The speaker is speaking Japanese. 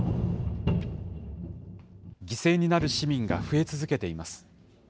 犠牲になる市民が増え続けています。